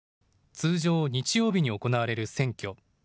通常、日曜日に行われる選挙。